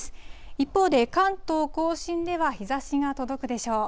一方で、関東甲信では日ざしが届くでしょう。